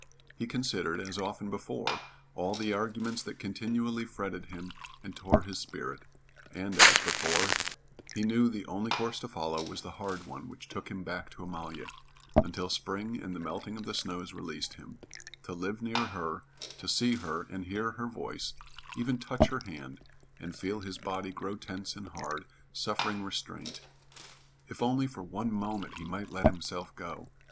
He considered, as often before, all the arguments that continually fretted him and tore his spirit; and, as before, he knew the only course to follow was the hard one which took him back to Amalia, until spring and the melting of the snows released him to live near her, to see her and hear her voice, even touch her hand, and feel his body grow tense and hard, suffering restraint. If only for one moment he might let himself go!